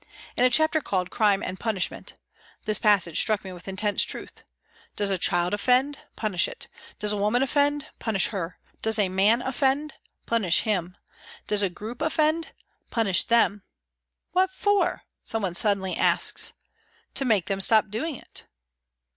In a chapter called " Crime and Punishment," this passage struck me with intense truth :" Does a child offend ? Punish it ! Does a woman offend ? Punish her ! Does a man offend ? Punish him ! Does a group offend ? Punish them !' What for ?' someone suddenly asks. ' To make them stop doing it